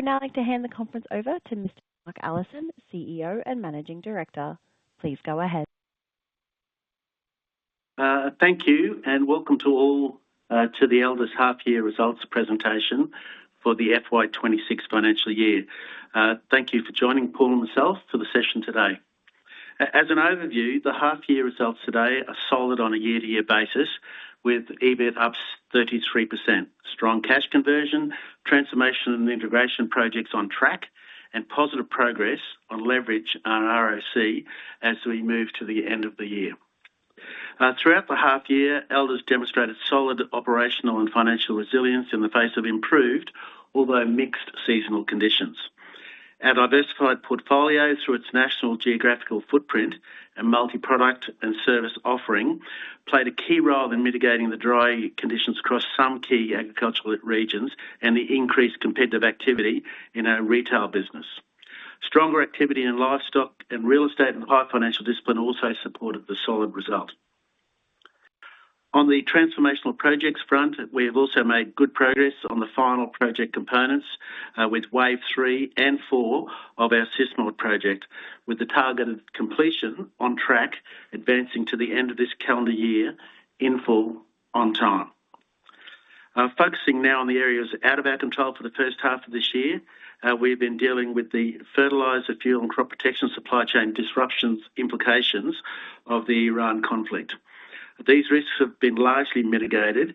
I would now like to hand the conference over to Mr. Mark Allison, CEO and Managing Director. Please go ahead. Thank you and welcome to all to the Elders' half year results presentation for the FY 2026 financial year. Thank you for joining Paul and myself for the session today. As an overview, the half year results today are solid on a year-over-year basis with EBIT up 33%, strong cash conversion, transformation and integration projects on track, and positive progress on leverage on ROC as we move to the end of the year. Throughout the half year, Elders demonstrated solid operational and financial resilience in the face of improved, although mixed seasonal conditions. Our diversified portfolio through its national geographical footprint and multi-product and service offering played a key role in mitigating the dry conditions across some key agricultural regions and the increased competitive activity in our retail business. Stronger activity in livestock and real estate and high financial discipline also supported the solid result. On the transformational projects front, we have also made good progress on the final project components, with wave three and four of our SysMod project, with the targeted completion on track advancing to the end of this calendar year in full on time. Focusing now on the areas out of our control for the first half of this year, we've been dealing with the fertilizer, fuel, and crop protection supply chain disruptions implications of the Iran conflict. These risks have been largely mitigated,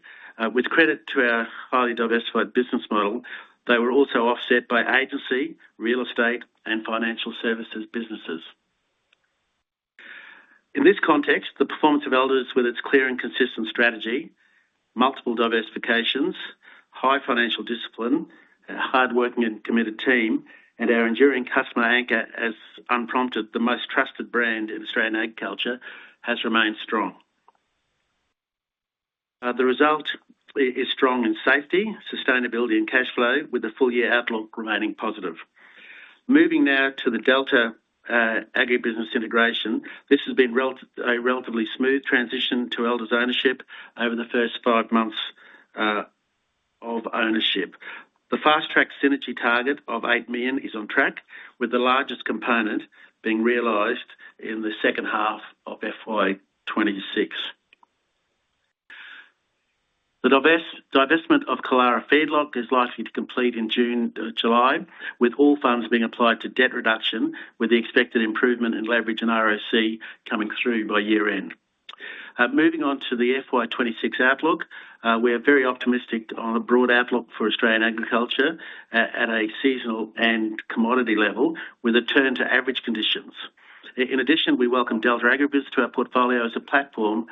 with credit to our highly diversified business model. They were also offset by agency, real estate, and financial services businesses. In this context, the performance of Elders with its clear and consistent strategy, multiple diversifications, high financial discipline, a hardworking and committed team, and our enduring customer anchor as unprompted, the most trusted brand in Australian agriculture, has remained strong. The result is strong in safety, sustainability and cash flow with the full year outlook remaining positive. Moving now to the Delta Agribusiness integration. This has been a relatively smooth transition to Elders' ownership over the first five months of ownership. The fast-track synergy target of 8 million is on track, with the largest component being realized in the second half of FY 2026. The divestment of Killara Feedlot is likely to complete in June to July, with all funds being applied to debt reduction with the expected improvement in leverage and ROC coming through by year-end. Moving on to the FY 2026 outlook, we are very optimistic on a broad outlook for Australian agriculture at a seasonal and commodity level with a turn to average conditions. In addition, we welcome Delta Agribusiness to our portfolio as a platform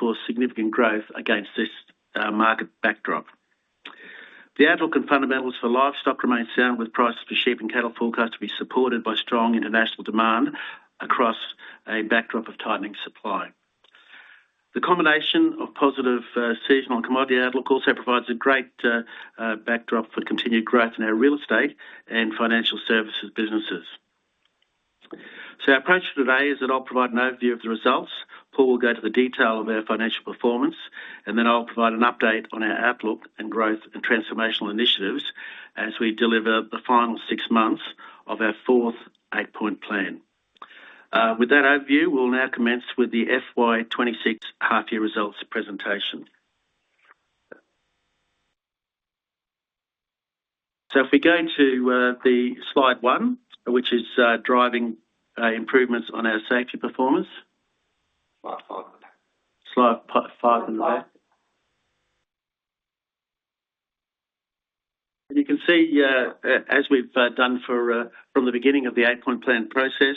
for significant growth against this market backdrop. The outlook and fundamentals for livestock remain sound, with prices for sheep and cattle forecast to be supported by strong international demand across a backdrop of tightening supply. The combination of positive seasonal and commodity outlook also provides a great backdrop for continued growth in our Real Estate and financial services businesses. Our approach for today is that I'll provide an overview of the results. Paul will go to the detail of our financial performance, and then I'll provide an update on our outlook and growth and transformational initiatives as we deliver the final six months of our fourth Eight Point Plan. With that overview, we'll now commence with the FY 2026 half year results presentation. If we go to the slide one, which is driving improvements on our safety performance. Slide five. Slide five. You can see, as we've done for from the beginning of the Eight Point Plan process,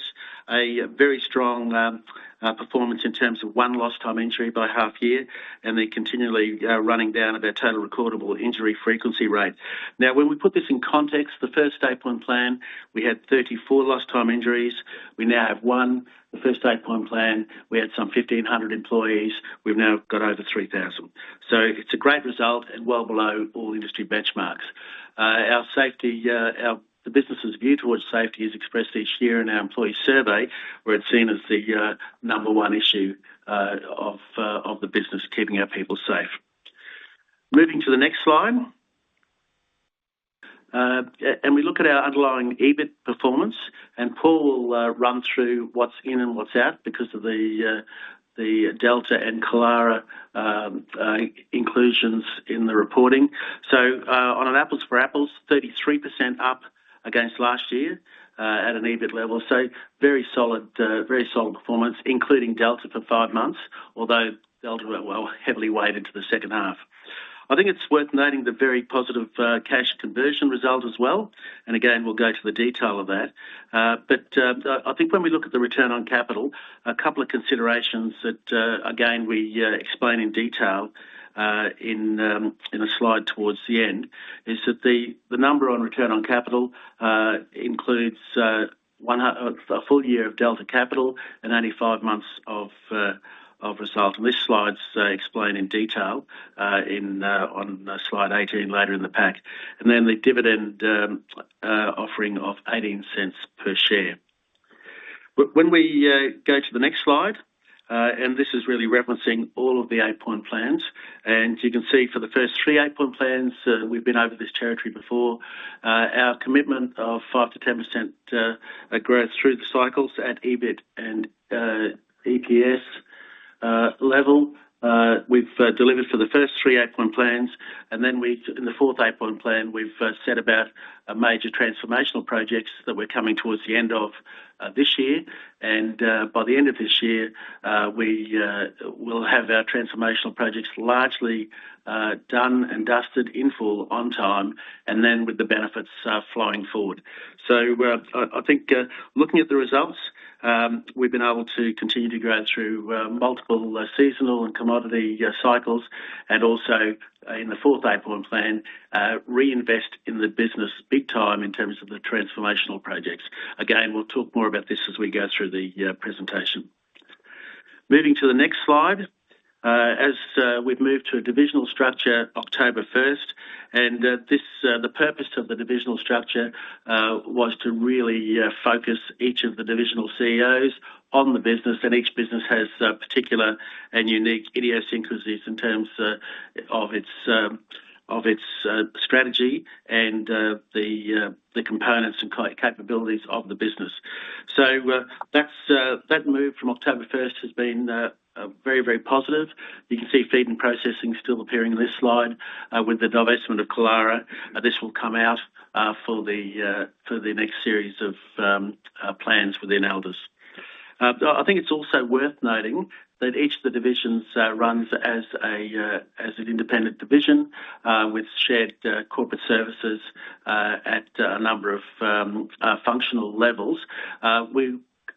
a very strong performance in terms of one lost time injury by half year, and they're continually running down of our total recordable injury frequency rate. Now, when we put this in context, the first Eight Point Plan, we had 34 lost time injuries. We now have one. The first Eight Point Plan, we had some 1,500 employees. We've now got over 3,000. It's a great result and well below all industry benchmarks. Our safety, the business' view towards safety is expressed each year in our employee survey, where it's seen as the number one issue of the business, keeping our people safe. Moving to the next slide. We look at our underlying EBIT performance, and Paul will run through what's in and what's out because of the Delta and Killara inclusions in the reporting. On an apples for apples, 33% up against last year, at an EBIT level. Very solid, very solid performance, including Delta for five months, although Delta, well, heavily weighed into the second half. I think it's worth noting the very positive cash conversion result as well. Again, we'll go to the detail of that. I think when we look at the return on capital, a couple of considerations that again, we explain in detail in in a slide towards the end, is that the number on return on capital includes a full year of Delta Capital and only five months of results. This slide's explained in detail in on slide 18 later in the pack. Then the dividend offering of 0.18 per share. When we go to the next slide, and this is really referencing all of the Eight Point Plan. You can see for the first three Eight Point Plans, we've been over this territory before, our commitment of 5%-10% growth through the cycles at EBIT and EPS level, we've delivered for the first three Eight Point Plans, in the fourth Eight Point Plan, we've set about major transformational projects that we're coming towards the end of this year. By the end of this year, we will have our transformational projects largely done and dusted in full on time and then with the benefits flowing forward. I think, looking at the results, we've been able to continue to grow through multiple seasonal and commodity cycles and also in the fourth Eight Point Plan, reinvest in the business big time in terms of the transformational projects. Again, we'll talk more about this as we go through the presentation. Moving to the next slide. As we've moved to a divisional structure October 1st, and this, the purpose of the divisional structure was to really focus each of the divisional CEOs on the business, and each business has a particular and unique idiosyncrasies in terms of its strategy and the components and capabilities of the business. That's that move from October 1st has been very positive. You can see Feed and Processing still appearing in this slide, with the divestment of Killara. This will come out for the next series of plans within Elders. I think it's also worth noting that each of the divisions runs as an independent division, with shared corporate services at a number of functional levels.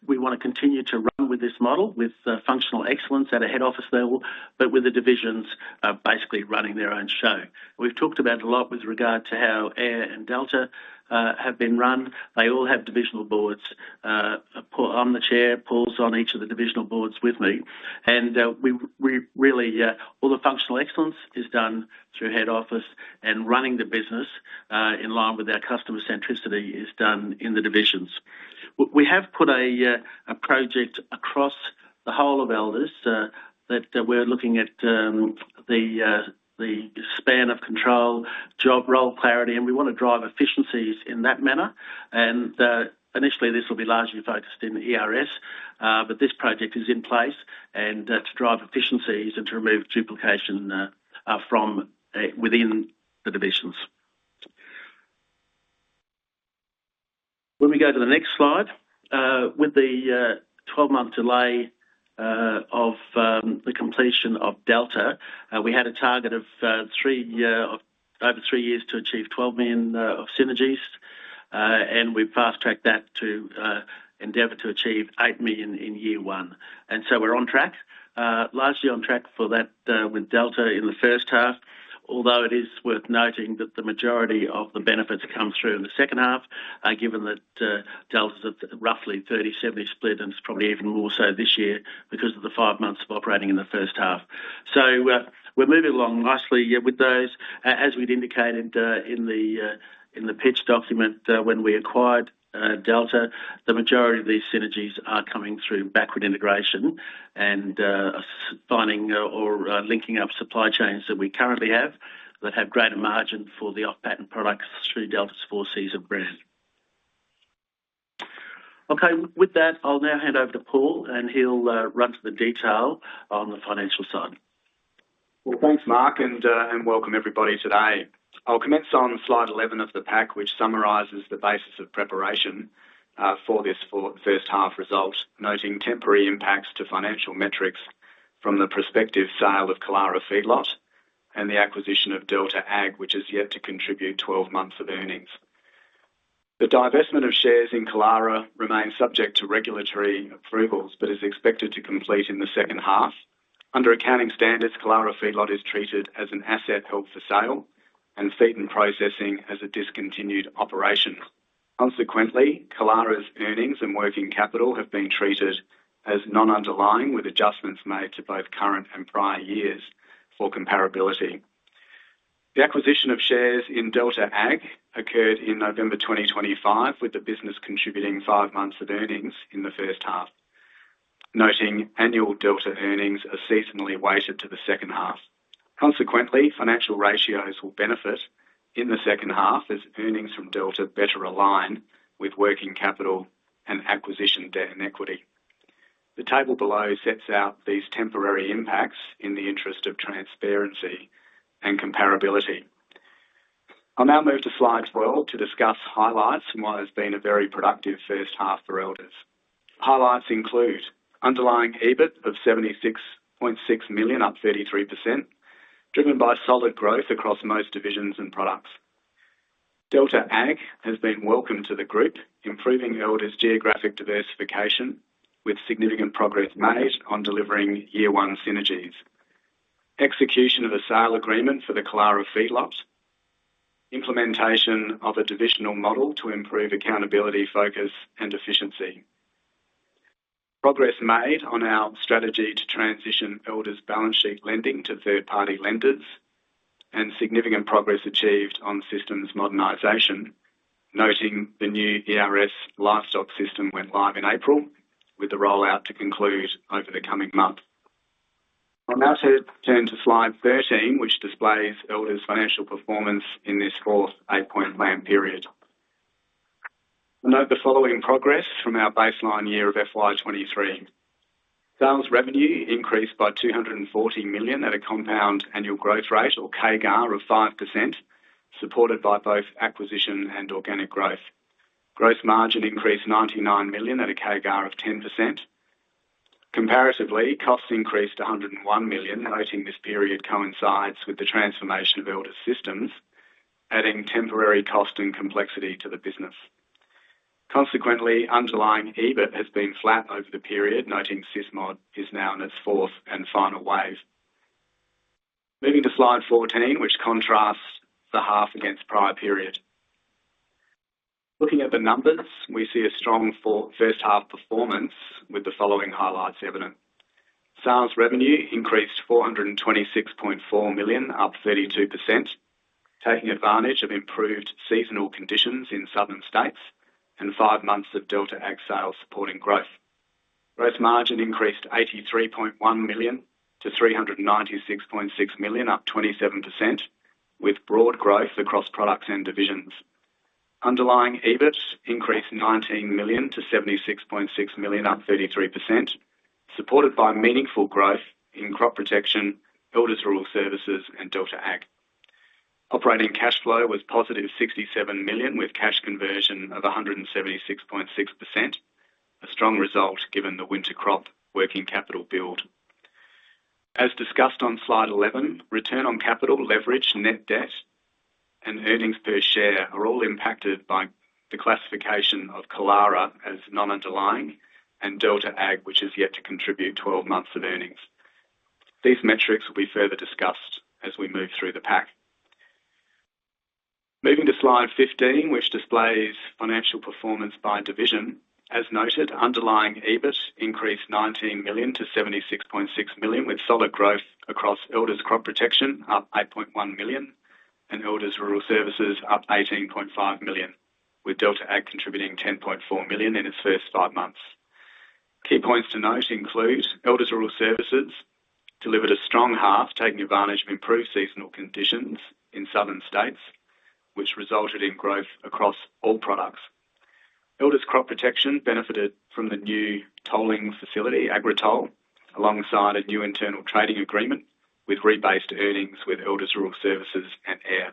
We wanna continue to run with this model with functional excellence at a head office level, but with the divisions basically running their own show. We've talked about a lot with regard to how AIRR and Delta have been run. They all have divisional boards. I'm the chair. Paul's on each of the divisional boards with me. We really, all the functional excellence is done through head office and running the business, in line with our customer centricity is done in the divisions. We have put a project across the whole of Elders that we're looking at the span of control, job role clarity, and we wanna drive efficiencies in that manner. Initially, this will be largely focused in ERS, but this project is in place and to drive efficiencies and to remove duplication from within the divisions. When we go to the next slide, with the 12-month delay of the completion of Delta, we had a target of over three years to achieve 12 million of synergies, and we fast-tracked that to endeavor to achieve 8 million in year one. We're on track, largely on track for that, with Delta in the first half, although it is worth noting that the majority of the benefits come through in the second half, given that Delta's at roughly 30/70 split, and it's probably even more so this year because of the five months of operating in the first half. We're moving along nicely with those. As we'd indicated, in the, in the pitch document, when we acquired, Delta, the majority of these synergies are coming through backward integration and finding or linking up supply chains that we currently have that have greater margin for the off-patent products through Delta's Four Seasons brand. Okay. With that, I'll now hand over to Paul, and he'll run through the detail on the financial side. Well, thanks, Mark, and welcome everybody today. I'll commence on slide 11 of the pack, which summarizes the basis of preparation for this first half result, noting temporary impacts to financial metrics from the prospective sale of Killara Feedlot and the acquisition of Delta Ag, which is yet to contribute 12 months of earnings. The divestment of shares in Killara remains subject to regulatory approvals but is expected to complete in the second half. Under accounting standards, Killara Feedlot is treated as an asset held for sale and Feed and Processing Services as a discontinued operation. Consequently, Killara's earnings and working capital have been treated as non-underlying, with adjustments made to both current and prior years for comparability. The acquisition of shares in Delta Ag occurred in November 2025, with the business contributing five months of earnings in the first half, noting annual Delta earnings are seasonally weighted to the second half. Consequently, financial ratios will benefit in the second half as earnings from Delta better align with working capital and acquisition debt and equity. The table below sets out these temporary impacts in the interest of transparency and comparability. I'll now move to slide 12 to discuss highlights from what has been a very productive first half for Elders. Highlights include underlying EBIT of 76.6 million, up 33%, driven by solid growth across most divisions and products. Delta Ag has been welcomed to the group, improving Elders' geographic diversification, with significant progress made on delivering year one synergies. Execution of a sale agreement for the Killara Feedlots. Implementation of a divisional model to improve accountability, focus and efficiency. Progress made on our strategy to transition Elders' balance sheet lending to third-party lenders. Significant progress achieved on systems modernization, noting the new ERS livestock system went live in April, with the rollout to conclude over the coming month. I'll now turn to slide 13, which displays Elders financial performance in this fourth Eight-Point Plan period. I note the following progress from our baseline year of FY 2023. Sales revenue increased by 240 million at a compound annual growth rate or CAGR of 5%, supported by both acquisition and organic growth. Gross margin increased 99 million at a CAGR of 10%. Comparatively, costs increased 101 million, noting this period coincides with the transformation of Elders systems, adding temporary cost and complexity to the business. Consequently, underlying EBIT has been flat over the period, noting SysMod is now in its fourth and final wave. Moving to slide 14, which contrasts the half against prior period. Looking at the numbers, we see a strong for first half performance with the following highlights evident. Sales revenue increased 426.4 million, up 32%, taking advantage of improved seasonal conditions in southern states and five months of Delta Ag sales supporting growth. Gross margin increased 83.1 million-396.6 million, up 27%, with broad growth across products and divisions. Underlying EBIT increased 19 million-76.6 million, up 33%, supported by meaningful growth in Crop Protection, Elders Rural Services and Delta Ag. Operating cash flow was positive 67 million, with cash conversion of 176.6%. A strong result given the winter crop working capital build. As discussed on Slide 11, return on capital leverage, net debt, and earnings per share are all impacted by the classification of Killara as non-underlying and Delta Ag, which is yet to contribute 12 months of earnings. These metrics will be further discussed as we move through the pack. Moving to Slide 15, which displays financial performance by division. As noted, underlying EBIT increased 19 million-76.6 million, with solid growth across Elders Crop Protection up 8.1 million and Elders Rural Services up 18.5 million, with Delta Ag contributing 10.4 million in its first five months. Key points to note include Elders Rural Services delivered a strong half, taking advantage of improved seasonal conditions in southern states, which resulted in growth across all products. Elders Crop Protection benefited from the new tolling facility, AgriToll, alongside a new internal trading agreement with rebased earnings with Elders Rural Services and AIRR.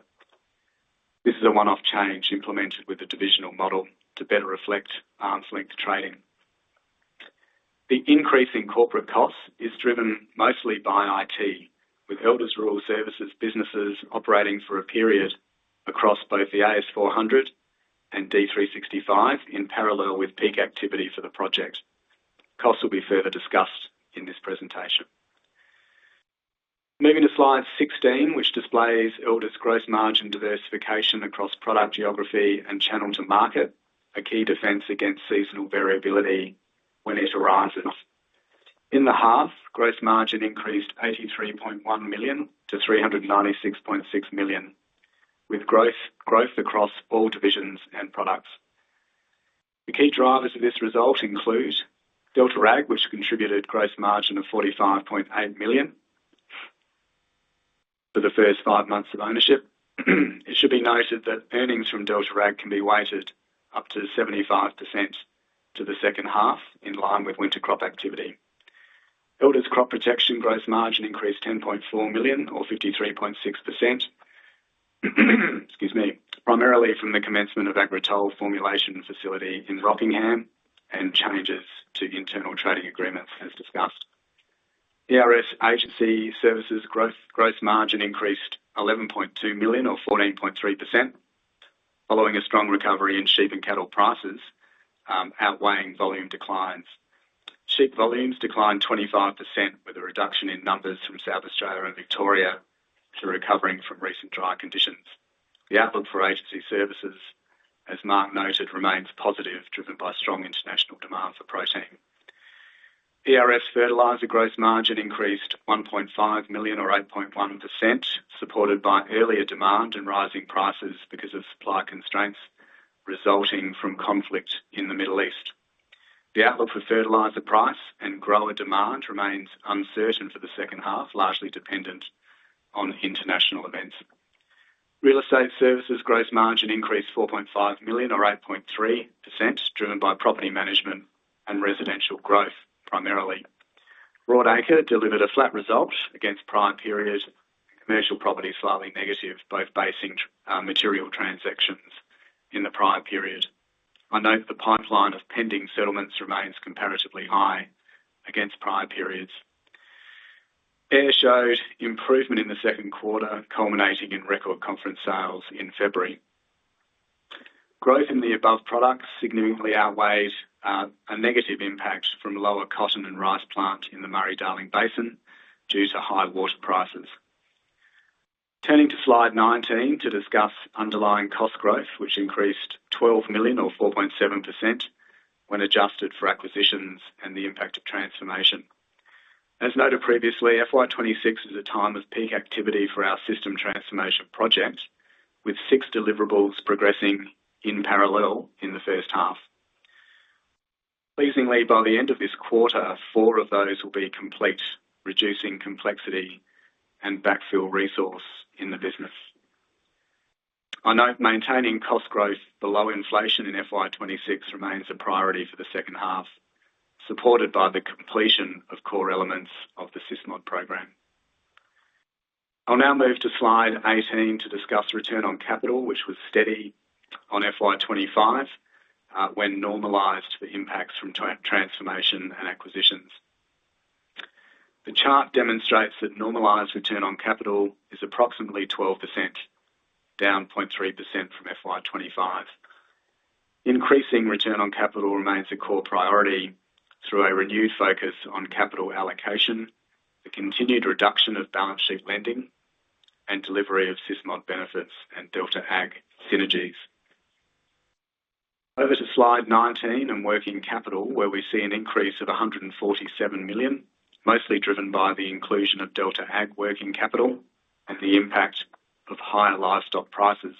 This is a one-off change implemented with the divisional model to better reflect arm's length trading. The increase in corporate costs is driven mostly by IT, with Elders Rural Services businesses operating for a period across both the AS/400 and D365 in parallel with peak activity for the project. Costs will be further discussed in this presentation. Moving to slide 16, which displays Elders gross margin diversification across product geography and channel to market, a key defense against seasonal variability when it arises. In the half, gross margin increased 83.1 million-396.6 million, with growth across all divisions and products. The key drivers of this result include Delta Ag, which contributed gross margin of 45.8 million for the first five months of ownership. It should be noted that earnings from Delta Ag can be weighted up to 75% to the second half, in line with winter crop activity. Elders Crop Protection gross margin increased 10.4 million or 53.6%, primarily from the commencement of AgriToll formulation facility in Rockingham and changes to internal trading agreements, as discussed. ERS Agency Services gross margin increased 11.2 million or 14.3% following a strong recovery in sheep and cattle prices, outweighing volume declines. Sheep volumes declined 25%, with a reduction in numbers from South Australia and Victoria through recovering from recent dry conditions. The outlook for Agency Services, as Mark noted, remains positive, driven by strong international demand for protein. ERS Fertilizer gross margin increased 1.5 million or 8.1%, supported by earlier demand and rising prices because of supply constraints resulting from conflict in the Middle East. The outlook for fertilizer price and grower demand remains uncertain for the second half, largely dependent on international events. Real Estate Services gross margin increased 4.5 million or 8.3%, driven by property management and residential growth, primarily. Broadacre delivered a flat result against prior period, commercial property slightly negative, both basing material transactions in the prior period. I note the pipeline of pending settlements remains comparatively high against prior periods. AIRR showed improvement in the second quarter, culminating in record conference sales in February. Growth in the above products significantly outweighs a negative impact from lower cotton and rice plant in the Murray-Darling Basin due to high water prices. Turning to slide 19 to discuss underlying cost growth, which increased 12 million or 4.7%. When adjusted for acquisitions and the impact of transformation. As noted previously, FY 2026 is a time of peak activity for our system transformation project, with six deliverables progressing in parallel in the first half. Pleasingly, by the end of this quarter, four of those will be complete, reducing complexity and backfill resource in the business. I note maintaining cost growth below inflation in FY 2026 remains a priority for the second half, supported by the completion of core elements of the SysMod program. I'll now move to slide 18 to discuss return on capital, which was steady on FY 2025 when normalized for the impacts from transformation and acquisitions. The chart demonstrates that normalized return on capital is approximately 12%, down 0.3% from FY 2025. Increasing return on capital remains a core priority through a renewed focus on capital allocation, the continued reduction of balance sheet lending, and delivery of SysMod benefits and Delta Ag synergies. Over to slide 19 and working capital, where we see an increase of 147 million, mostly driven by the inclusion of Delta Ag working capital and the impact of higher livestock prices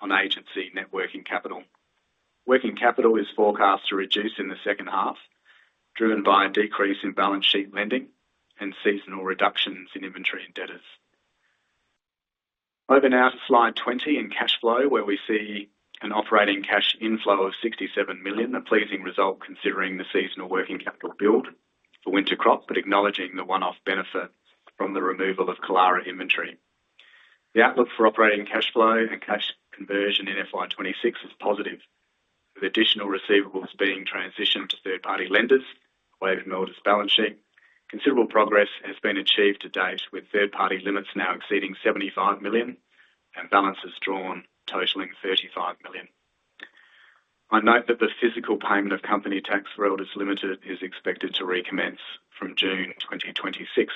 on agency net working capital. Working capital is forecast to reduce in the second half, driven by a decrease in balance sheet lending and seasonal reductions in inventory and debtors. Over now to slide 20 in cash flow, where we see an operating cash inflow of 67 million, a pleasing result considering the seasonal working capital build for winter crop, but acknowledging the one-off benefit from the removal of Killara inventory. The outlook for operating cash flow and cash conversion in FY 2026 is positive, with additional receivables being transitioned to third-party lenders via Elders' balance sheet. Considerable progress has been achieved to date, with third-party limits now exceeding 75 million and balances drawn totaling 35 million. I note that the physical payment of company tax for Elders Limited is expected to recommence from June 2026.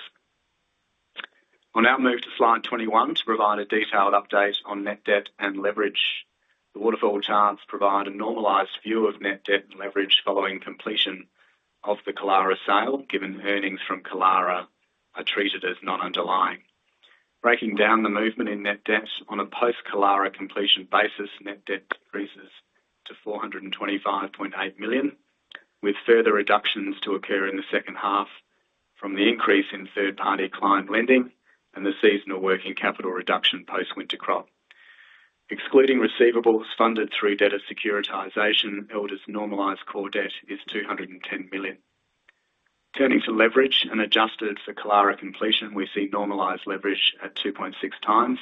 I'll now move to slide 21 to provide a detailed update on net debt and leverage. The waterfall charts provide a normalized view of net debt and leverage following completion of the Killara sale, given earnings from Killara are treated as non-underlying. Breaking down the movement in net debt on a post-Killara completion basis, net debt decreases to 425.8 million, with further reductions to occur in the second half from the increase in third-party client lending and the seasonal working capital reduction post-winter crop. Excluding receivables funded through debtor securitization, Elders' normalized core debt is 210 million. Turning to leverage and adjusted for Killara completion, we see normalized leverage at 2.6x,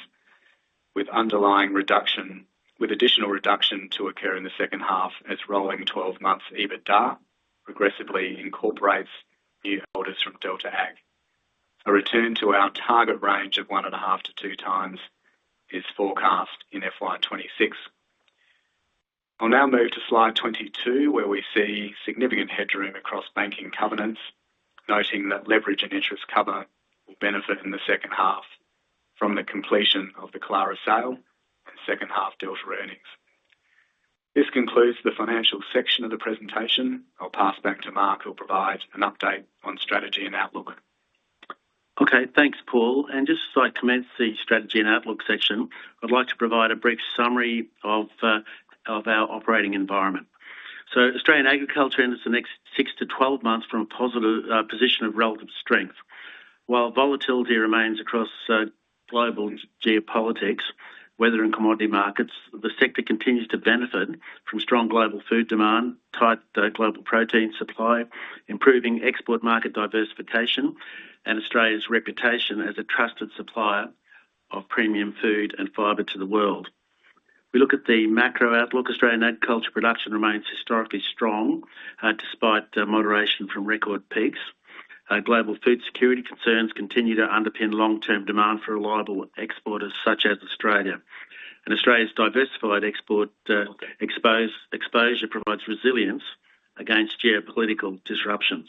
with additional reduction to occur in the second half as rolling 12 months EBITDA progressively incorporates new orders from Delta Ag. A return to our target range of 1.5x-2x is forecast in FY 2026. I'll now move to slide 22, where we see significant headroom across banking covenants, noting that leverage and interest cover will benefit in the second half from the completion of the Killara sale and second half Delta earnings. This concludes the financial section of the presentation. I'll pass back to Mark, who'll provide an update on strategy and outlook. Okay, thanks, Paul. Just as I commence the strategy and outlook section, I'd like to provide a brief summary of our operating environment. Australian agriculture enters the next 6-12 months from a positive position of relative strength. While volatility remains across global geopolitics, weather and commodity markets, the sector continues to benefit from strong global food demand, tight global protein supply, improving export market diversification, and Australia's reputation as a trusted supplier of premium food and fiber to the world. If we look at the macro outlook, Australian agriculture production remains historically strong despite moderation from record peaks. Global food security concerns continue to underpin long-term demand for reliable exporters such as Australia. Australia's diversified export exposure provides resilience against geopolitical disruptions.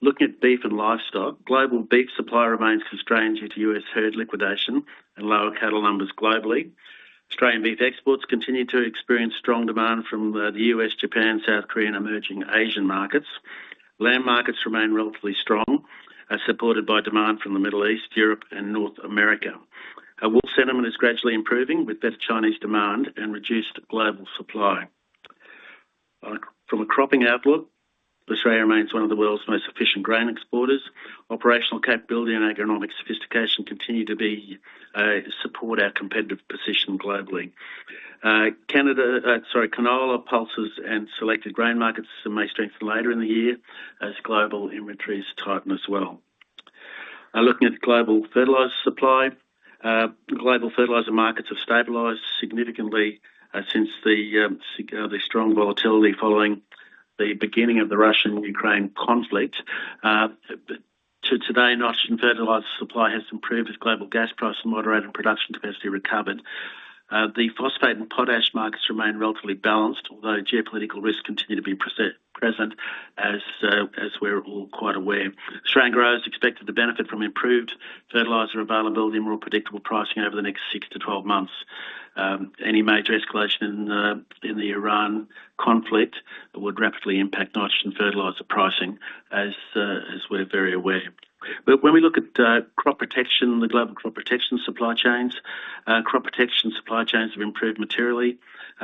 Looking at beef and livestock, global beef supply remains constrained due to U.S. herd liquidation and lower cattle numbers globally. Australian beef exports continue to experience strong demand from the U.S., Japan, South Korea, and emerging Asian markets. Lamb markets remain relatively strong, supported by demand from the Middle East, Europe, and North America. Our wool sentiment is gradually improving with better Chinese demand and reduced global supply. From a cropping outlook, Australia remains one of the world's most efficient grain exporters. Operational capability and agronomic sophistication continue to be support our competitive position globally. Canada, sorry, canola, pulses, and selected grain markets may strengthen later in the year as global inventories tighten as well. Looking at global fertilizer supply, global fertilizer markets have stabilized significantly since the strong volatility following the beginning of the Russian-Ukraine conflict. To today, nitrogen fertilizer supply has improved as global gas prices moderated production capacity recovered. The phosphate and potash markets remain relatively balanced, although geopolitical risks continue to be present as we're all quite aware. Australian growers are expected to benefit from improved fertilizer availability and more predictable pricing over the next 6 to 12 months. Any major escalation in the Iran conflict would rapidly impact nitrogen fertilizer pricing as we're very aware. When we look at crop protection, the global crop protection supply chains, crop protection supply chains have improved materially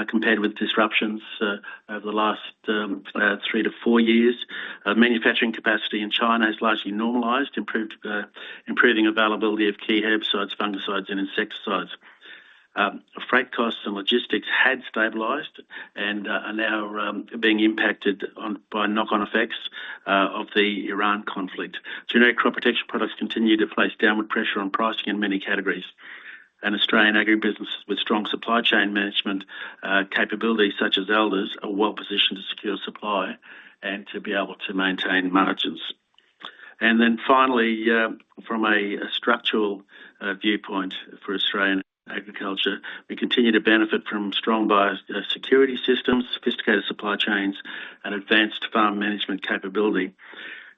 compared with disruptions over the last three to four years. Manufacturing capacity in China has largely normalized, improved, improving availability of key herbicides, fungicides, and insecticides. Freight costs and logistics had stabilized and are now being impacted on by knock-on effects of the Iran conflict. Generic crop protection products continue to place downward pressure on pricing in many categories. Australian agribusiness with strong supply chain management capabilities such as Elders are well-positioned to secure supply and to be able to maintain margins. Finally, from a structural viewpoint for Australian agriculture, we continue to benefit from strong biosecurity systems, sophisticated supply chains, and advanced farm management capability.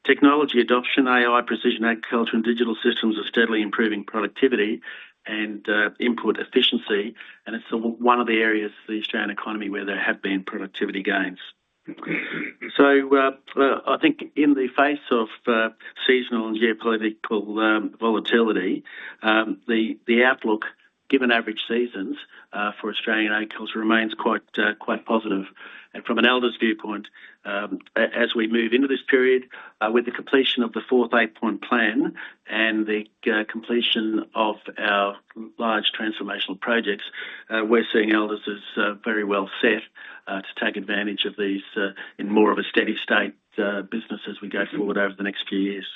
Technology adoption, AI, precision agriculture, and digital systems are steadily improving productivity and input efficiency, and it's one of the areas of the Australian economy where there have been productivity gains. I think in the face of seasonal and geopolitical volatility, the outlook, given average seasons, for Australian agriculture remains quite positive. From an Elders viewpoint, as we move into this period, with the completion of the fourth Eight Point Plan and the completion of our large transformational projects, we're seeing Elders as very well set to take advantage of these in more of a steady state business as we go forward over the next few years.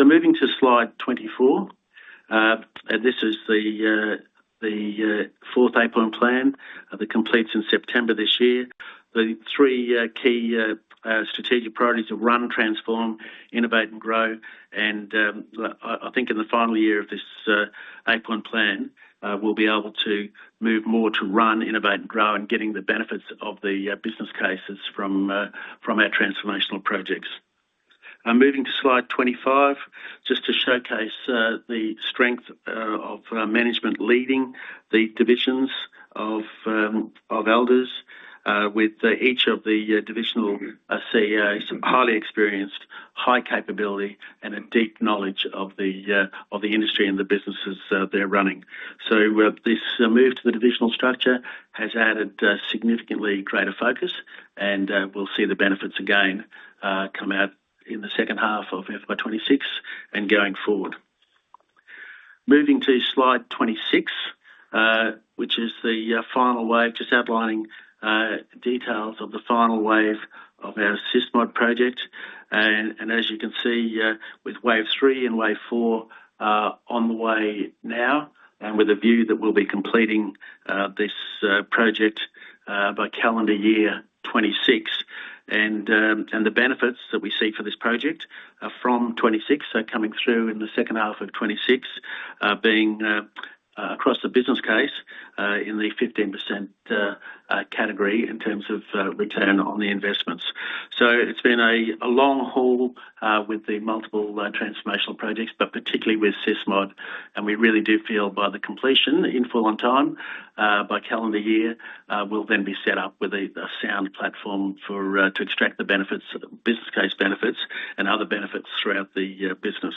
Moving to slide 24. This is the fourth Eight Point Plan that completes in September this year. The three key strategic priorities are run, transform, innovate and grow. I think in the final year of this Eight Point Plan, we'll be able to move more to run, innovate and grow and getting the benefits of the business cases from our transformational projects. I'm moving to slide 25 just to showcase the strength of management leading the divisions of Elders, with each of the divisional CEOs highly experienced, high capability, and a deep knowledge of the industry and the businesses they're running. This move to the divisional structure has added significantly greater focus, and we'll see the benefits again come out in the second half of FY 2026 and going forward. Moving to slide 26, which is the final wave, just outlining details of the final wave of our SysMod project. As you can see, with wave three and wave four on the way now, and with a view that we'll be completing this project by calendar year 2026. The benefits that we see for this project from 2026, so coming through in the second half of 2026, being across the business case in the 15% category in terms of return on the investments. It's been a long haul with the multiple transformational projects, but particularly with SysMod, and we really do feel by the completion in full on time by calendar year, we'll then be set up with a sound platform for to extract the benefits, business case benefits and other benefits throughout the business.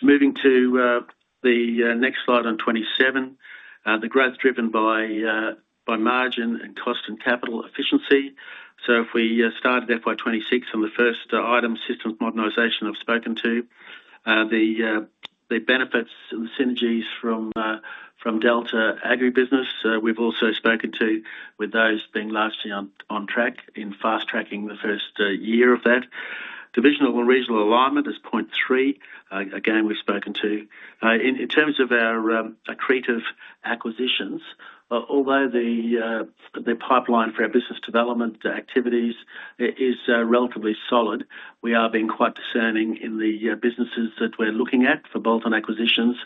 Moving to the next slide on 27. The growth driven by margin and cost and capital efficiency. If we started FY 2026 on the first item systems modernization I've spoken to, the benefits and synergies from Delta Agribusiness, we've also spoken to with those being largely on track in fast-tracking the first year of that. Divisional and regional alignment is point three, again, we've spoken to. In terms of our accretive acquisitions, although the pipeline for our business development activities is relatively solid, we are being quite discerning in the businesses that we're looking at for bolt-on acquisitions,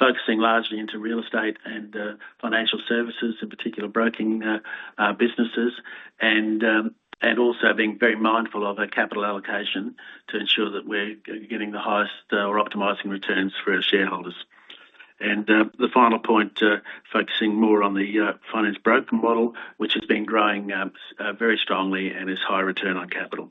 focusing largely into real estate and financial services, in particular, broking businesses, and also being very mindful of our capital allocation to ensure that we're getting the highest, or optimizing returns for our shareholders. The final point, focusing more on the finance broker model, which has been growing very strongly and is high return on capital.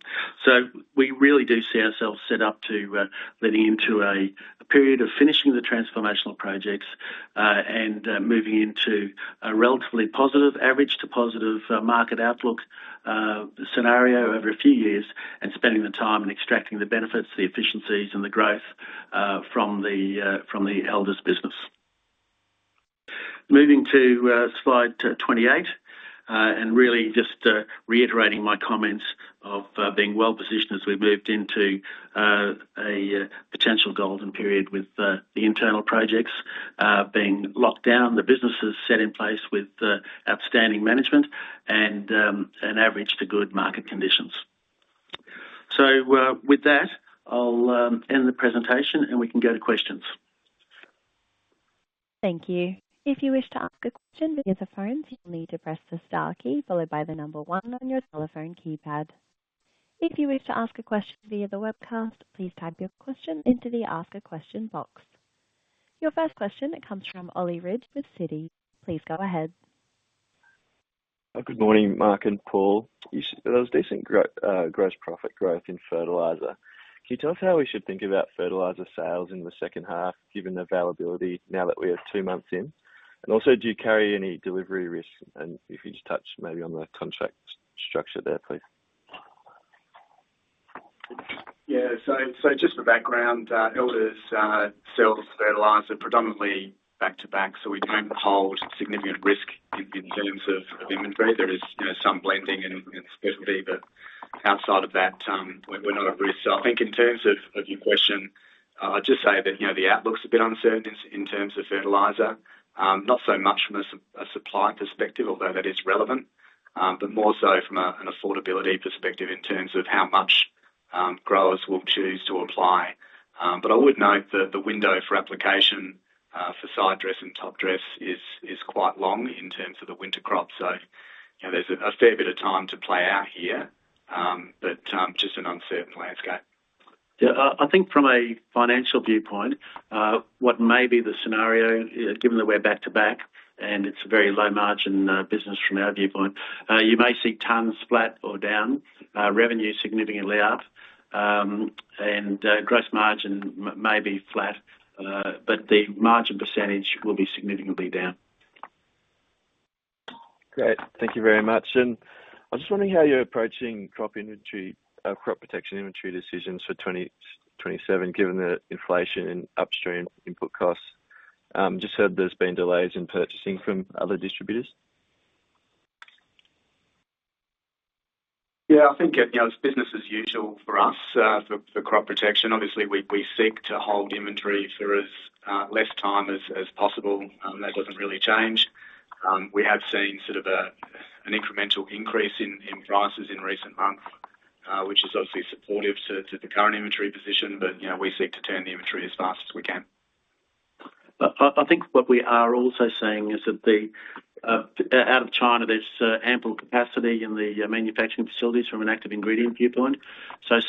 We really do see ourselves set up to leading into a period of finishing the transformational projects and moving into a relatively positive average to positive market outlook scenario over a few years, and spending the time and extracting the benefits, the efficiencies, and the growth from the Elders business. Moving to slide 28, really just reiterating my comments of being well-positioned as we've moved into a potential golden period with the internal projects being locked down, the businesses set in place with outstanding management and an average to good market conditions. With that, I'll end the presentation, and we can go to questions. Thank you. If you wish to ask a question in your phone, you need to press the star key followed by the number one on your telephone keypad. If you wish to ask a question via the webcast, please type your question into the Ask a Question box. Your first question comes from Ollie Ridge with Citi. Please go ahead. Good morning, Mark and Paul. You said there was decent gross profit growth in fertilizer. Can you tell us how we should think about fertilizer sales in the second half, given the availability now that we are two months in? Also, do you carry any delivery risks? If you'd touch maybe on the contract structure there, please. Just for background, Elders sells fertilizer predominantly back to back, so we don't hold significant risk in terms of inventory. There is, you know, some blending and specialty, but outside of that, we're not at risk. I think in terms of your question, I'd just say that, you know, the outlook's a bit uncertain in terms of fertilizer. Not so much from a supply perspective, although that is relevant, but more so from an affordability perspective in terms of how much growers will choose to apply. I would note that the window for application for sidedress and topdress is quite long in terms of the winter crop. You know, there's a fair bit of time to play out here, but just an uncertain landscape. Yeah. I think from a financial viewpoint, what may be the scenario, given that we're back to back and it's a very low margin, business from our viewpoint, you may see tons flat or down, revenue significantly up, and gross margin may be flat, but the margin percentage will be significantly down. Great. Thank you very much. I'm just wondering how you're approaching crop inventory, crop protection inventory decisions for 2027, given the inflation and upstream input costs? Just heard there's been delays in purchasing from other distributors. Yeah, I think, you know, it's business as usual for us, for crop protection. Obviously, we seek to hold inventory for as less time as possible. That doesn't really change. We have seen sort of an incremental increase in prices in recent months, which is obviously supportive to the current inventory position, but, you know, we seek to turn the inventory as fast as we can. I think what we are also seeing is that out of China, there's ample capacity in the manufacturing facilities from an active ingredient viewpoint.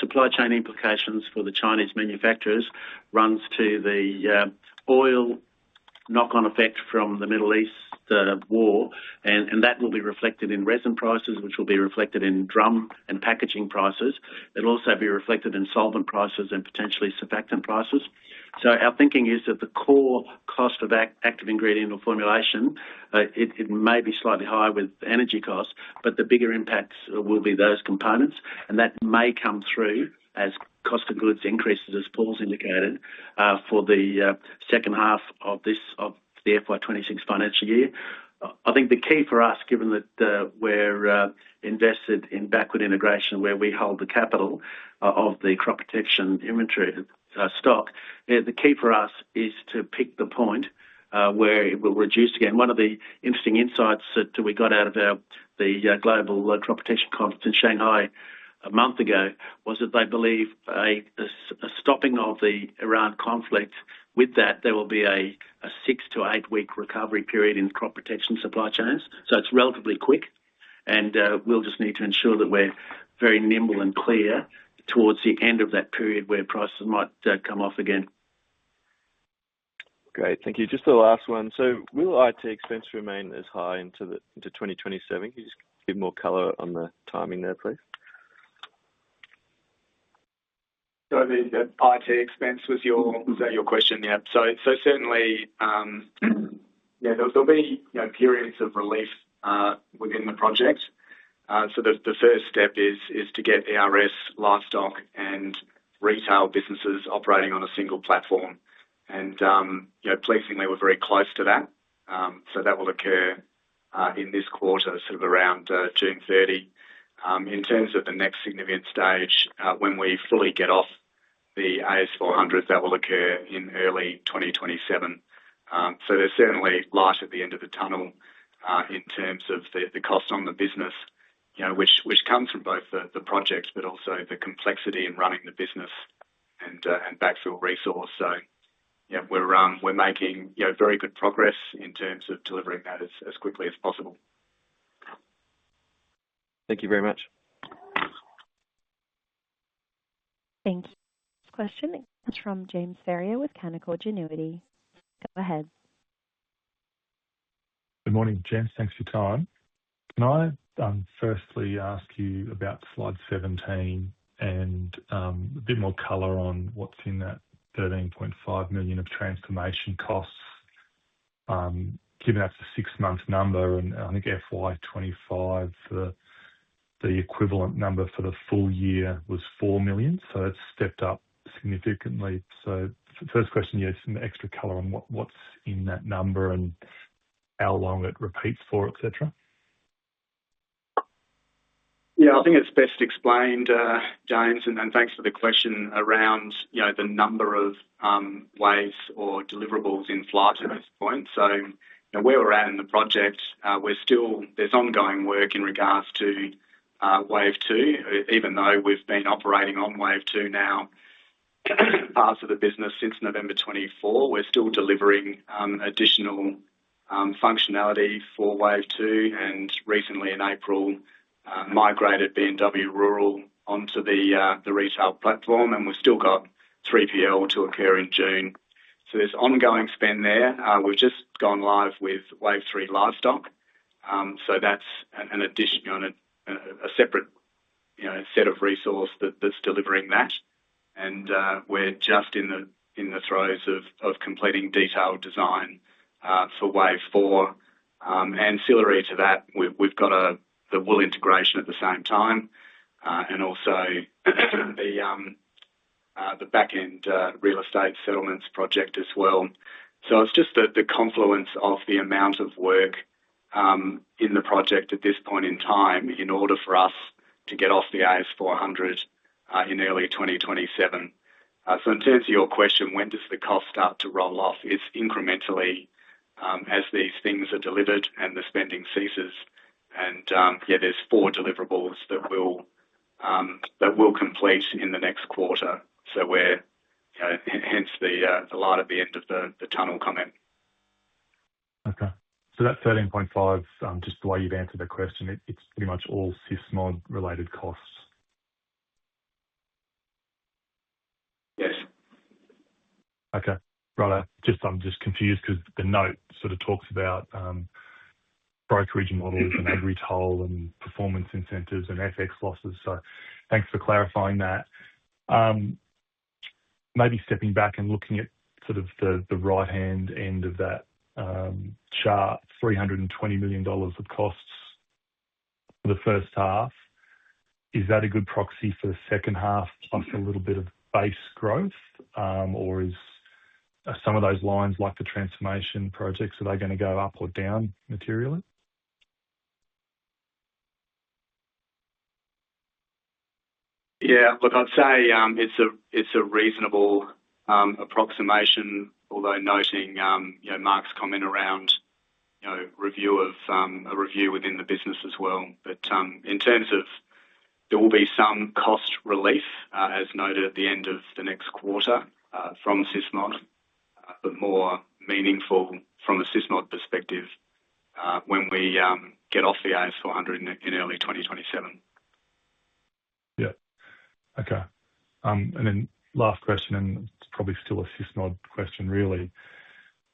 Supply chain implications for the Chinese manufacturers runs to the oil knock-on effect from the Middle East war. That will be reflected in resin prices, which will be reflected in drum and packaging prices. It'll also be reflected in solvent prices and potentially surfactant prices. Our thinking is that the core cost of active ingredient or formulation, it may be slightly higher with energy costs, but the bigger impacts will be those components, and that may come through as cost of goods increases, as Paul indicated, for the second half of this, of the FY 2026 financial year. I think the key for us, given that we're invested in backward integration where we hold the capital of the crop protection inventory, stock, the key for us is to pick the point where it will reduce again. One of the interesting insights that we got out of the global crop protection conference in Shanghai one month ago was that they believe a stopping of the Iran conflict, with that there will be a six to eight-week recovery period in crop protection supply chains. It's relatively quick and we'll just need to ensure that we're very nimble and clear towards the end of that period where prices might come off again. Great. Thank you. Just the last one. Will IT expense remain as high into 2027? Can you just give more color on the timing there, please? The IT expense was that your question? Yeah. Certainly, you know, periods of relief within the project. The first step is to get ERS, Livestock and Retail businesses operating on a single platform. You know, pleasingly we're very close to that. That will occur in this quarter, sort of around June 30. In terms of the next significant stage, when we fully get off the AS/400s, that will occur in early 2027. There's certainly light at the end of the tunnel in terms of the cost on the business, you know, which comes from both the projects, but also the complexity in running the business and backfill resource. Yeah, we're making, you know, very good progress in terms of delivering that as quickly as possible. Thank you very much. Thank you. Question comes from James Ferrier with Canaccord Genuity. Go ahead. Good morning, James. Thanks for your time. Can I firstly ask you about slide 17 and a bit more color on what's in that 13.5 million of transformation costs, given that's a six-month number and I think FY 2025, the equivalent number for the full year was 4 million, so it's stepped up significantly. First question, yeah, just some extra color on what's in that number and how long it repeats for, et cetera. Yeah. I think it's best explained, James, and then thanks for the question around, you know, the number of waves or deliverables in flight at this point. You know, where we're at in the project, there's ongoing work in regards to wave two. Even though we've been operating on wave two parts of the business since November 24. We're still delivering additional functionality for wave two, and recently in April, migrated B&W Rural onto the retail platform, and we've still got 3PL to occur in June. There's ongoing spend there. We've just gone live with wave 3 livestock. That's an addition on a separate, you know, set of resource that's delivering that. We're just in the throes of completing detailed design for wave four. Ancillary to that, we've got the wool integration at the same time and also the back-end real estate settlements project as well. It's just that the confluence of the amount of work in the project at this point in time in order for us to get off the AS/400 in early 2027. In terms of your question, when does the cost start to roll off? It's incrementally as these things are delivered and the spending ceases and there's four deliverables that we'll complete in the next quarter. We're hence the light at the end of the tunnel comment. Okay. That 13.5 million, just the way you've answered the question, it's pretty much all SysMod related costs. Yes. Okay. Right. Just I'm just confused 'cause the note sort of talks about brokerage models and AgriToll and performance incentives and FX losses. Thanks for clarifying that. Maybe stepping back and looking at sort of the right-hand end of that chart, 320 million dollars of costs for the first half. Is that a good proxy for the second half plus a little bit of base growth? Or is some of those lines, like the transformation projects, are they gonna go up or down materially? Yeah. Look, I'd say, it's a reasonable approximation, although noting, you know, Mark's comment around, you know, review of a review within the business as well. In terms of there will be some cost relief, as noted at the end of the next quarter, from SysMod, but more meaningful from a SysMod perspective, when we get off the AS/400 in early 2027. Yeah. Okay. Last question, it is probably still a SysMod question really.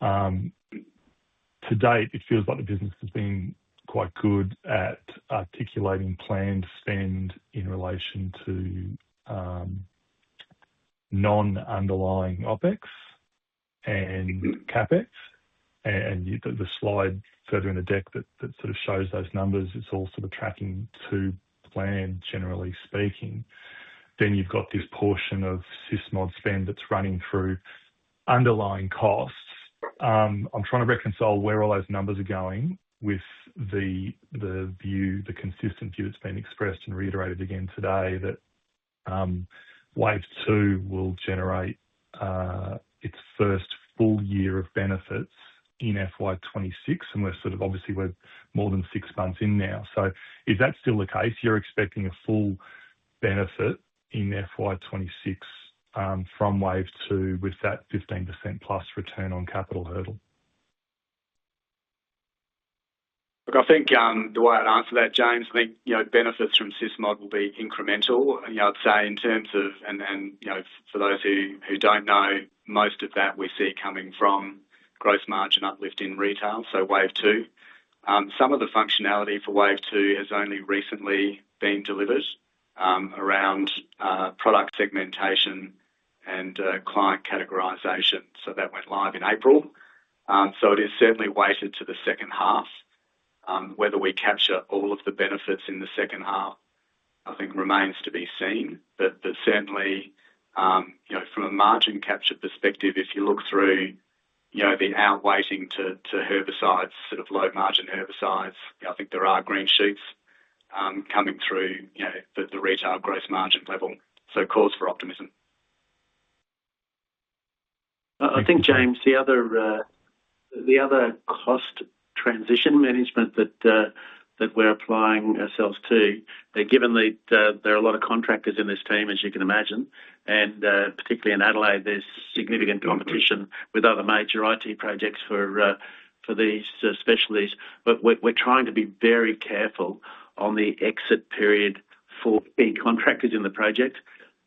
To date, it feels like the business has been quite good at articulating planned spend in relation to non-underlying OpEx and CapEx. The slide further in the deck that sort of shows those numbers, it's all sort of tracking to plan, generally speaking. You've got this portion of SysMod spend that's running through underlying costs. I'm trying to reconcile where all those numbers are going with the view, the consistent view that's been expressed and reiterated again today that wave two will generate its first full year of benefits in FY 2026, we're sort of obviously more than six months in now. Is that still the case? You're expecting a full benefit in FY 2026 from wave two with that 15%+ return on capital hurdle? Look, I think, the way I'd answer that, James, I think, you know, benefits from SysMod will be incremental. You know, I'd say in terms of, you know, for those who don't know, most of that we see coming from gross margin uplift in retail, so wave two. Some of the functionality for wave two has only recently been delivered around product segmentation and client categorization. That went live in April. It is certainly weighted to the second half. Whether we capture all of the benefits in the second half, I think remains to be seen. Certainly, you know, from a margin capture perspective, if you look through, you know, the outwaiting to herbicides, sort of low-margin herbicides, I think there are green shoots, coming through, you know, the retail gross margin level. Cause for optimism. I think, James, the other cost transition management that we're applying ourselves to, given the there are a lot of contractors in this team, as you can imagine, and particularly in Adelaide, there's significant competition with other major IT projects for these specialties. We're trying to be very careful on the exit period for any contractors in the project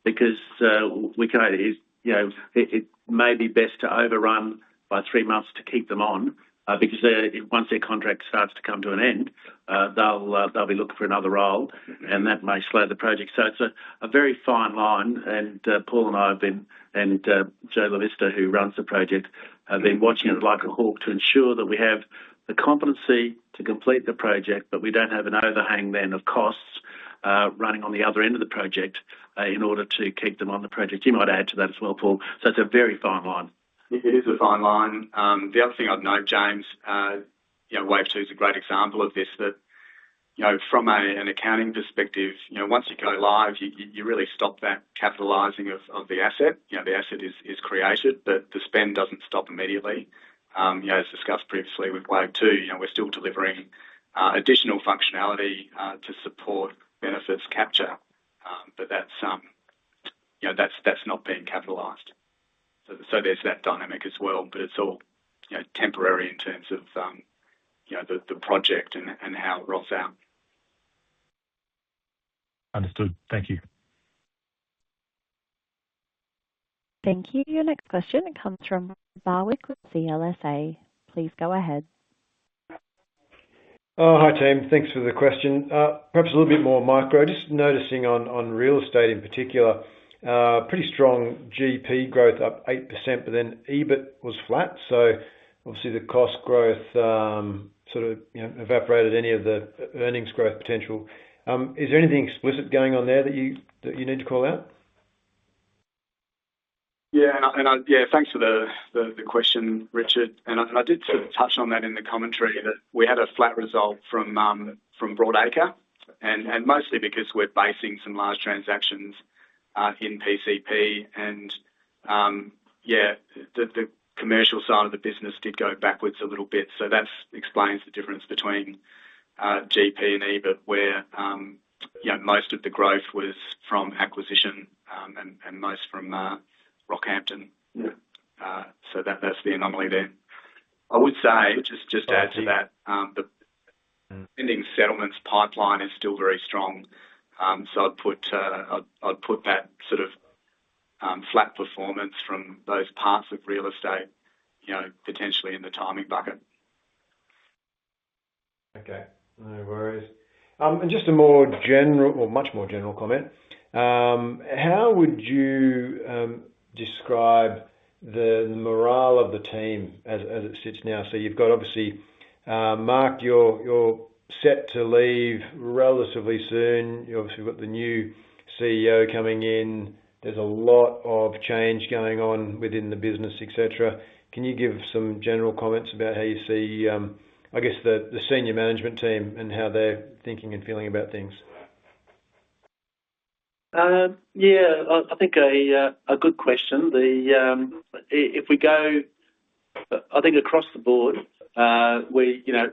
because You know, it may be best to overrun by three months to keep them on, because once their contract starts to come to an end, they'll be looking for another role, and that may slow the project. It's a very fine line and Paul and I have been, and Joe LaVigna, who runs the project, have been watching it like a hawk to ensure that we have the competency to complete the project, but we don't have an overhang then of costs running on the other end of the project in order to keep them on the project. You might add to that as well, Paul. It's a very fine line. It is a fine line. The other thing I'd note, James, you know, Wave Two is a great example of this that, you know, from an accounting perspective, you know, once you go live, you really stop that capitalizing of the asset. You know, the asset is created, but the spend doesn't stop immediately. You know, as discussed previously with Wave Two, you know, we're still delivering additional functionality to support benefits capture. That's, you know, that's not being capitalized. There's that dynamic as well, but it's all, you know, temporary in terms of, you know, the project and how it rolls out. Understood. Thank you. Thank you. Your next question comes from Barwick with CLSA. Please go ahead. Oh, hi, team. Thanks for the question. Perhaps a little bit more micro. Just noticing on real estate in particular, pretty strong GP growth, up 8%, but then EBIT was flat. Obviously the cost growth, sort of, you know, evaporated any of the earnings growth potential. Is there anything explicit going on there that you need to call out? Yeah. Thanks for the question, Richard. I did sort of touch on that in the commentary that we had a flat result from Broadacre and mostly because we're basing some large transactions in PCP and yeah, the commercial side of the business did go backwards a little bit. That's explains the difference between GP and EBIT, where, you know, most of the growth was from acquisition and most from Rockhampton. Yeah. That's the anomaly there. I would say, just to add to that, the pending settlements pipeline is still very strong. I'd put that sort of flat performance from those parts of real estate, you know, potentially in the timing bucket. Okay. No worries. Just a more general or much more general comment, how would you describe the morale of the team as it sits now? You've got obviously, Mark, you're set to leave relatively soon. You obviously got the new CEO coming in. There's a lot of change going on within the business, et cetera. Can you give some general comments about how you see, I guess the senior management team and how they're thinking and feeling about things? Yeah. I think a good question. The, if we go I think across the board, we, you know,